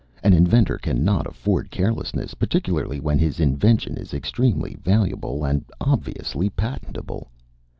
An inventor cannot afford carelessness, particularly when his invention is extremely valuable and obviously patentable.